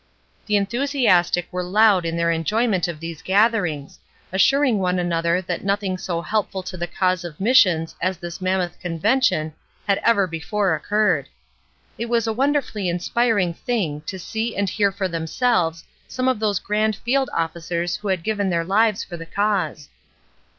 The enthusiastic w^ere loud in their enjoy ment of these gatherings, assuring one another that nothing so helpful to the cause of missions as this manmioth convention had ever before THE ^'NEST EGG'' 371 occurred. It was a wonderfully inspiring thing to see and hear for themselves some of those grand field officers who had given their fives for the cause.